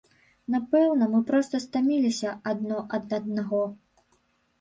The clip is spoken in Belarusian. Напэўна мы проста стаміліся адно ад аднаго.